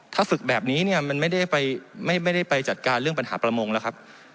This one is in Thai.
ถ้าฝึกแบบนี้เนี่ยมันไม่ได้ไปจัดการเรื่องปัญหาประมงแล้วครับ